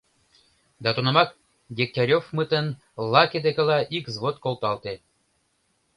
Да тунамак Дегтяревмытын лаке декыла ик взвод колталте.